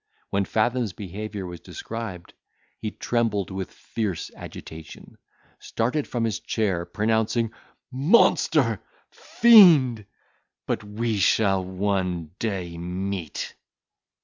When Fathom's behaviour was described, he trembled with fierce agitation, started from his chair, pronouncing, "Monster! fiend! but we shall one day meet."